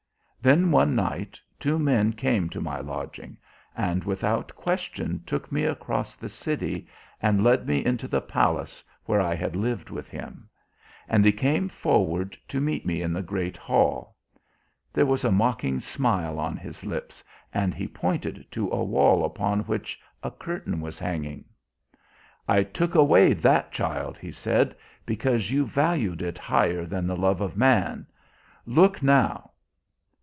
"Then one night two men came to my lodging and without question took me across the city and led me into the palace where I had lived with him. And he came forward to meet me in the great hall. There was a mocking smile on his lips and he pointed to a wall upon which a curtain was hanging. "'I took away that child,' he said, 'because you valued it higher than the love of man. Look now.'